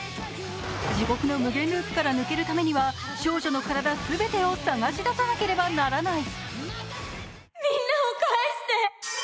地獄の無限ループから抜けるためには、少女のカラダ全てを探し出さなければならない。